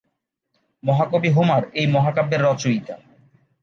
মহাকবি হোমার এই মহাকাব্যের রচয়িতা।